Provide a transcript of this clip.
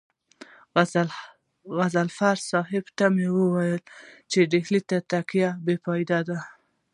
غضنفر صاحب ته مې وويل چې ډهلي ته تګ بې فايدې دی.